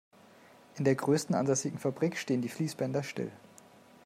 In der größten ansässigen Fabrik stehen die Fließbänder still.